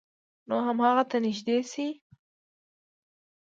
نو هغه ته نږدې شئ،